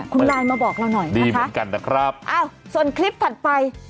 คุณไลน์มาบอกเราหน่อยนะคะส่วนคลิปถัดไป